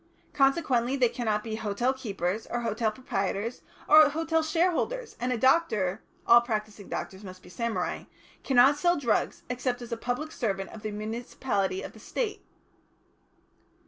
Consequently they cannot be hotel keepers, or hotel proprietors, or hotel shareholders, and a doctor all practising doctors must be samurai cannot sell drugs except as a public servant of the municipality or the State."